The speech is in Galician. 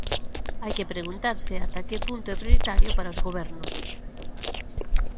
Hai que preguntarse até que punto é prioritario para os gobernos.